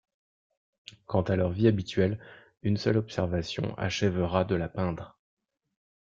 Quant à leur vie habituelle, une seule observation achèvera de la peindre.